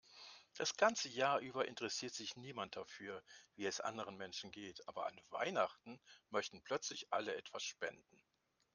Das ganze Jahr über interessiert sich niemand dafür, wie es anderen Menschen geht, aber an Weihnachten möchten plötzlich alle etwas spenden.